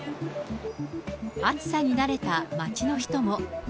暑さに慣れた街の人も。